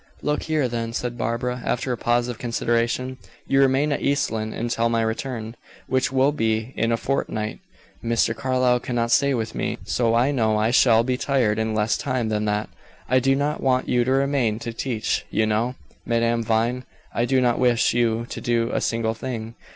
"Look here, then," said Barbara, after a pause of consideration, "you remain at East Lynne until my return, which will be in a fortnight. Mr. Carlyle cannot stay with me, so I know I shall be tired in less time than that. I do not want you to remain to teach, you know, Madame Vine; I do not wish you to do a single thing.